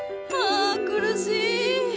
はあ苦しい！